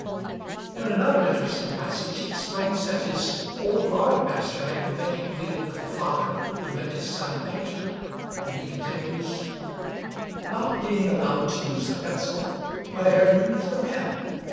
In another interesting passage he explains that his old drawing master had in vain pleaded with the father to make his son a painter, and he continues: "Not being allowed to use the pencil, I have used the pen.